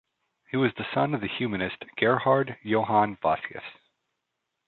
He was the son of the humanist Gerhard Johann Vossius.